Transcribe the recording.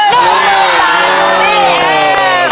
๑วิน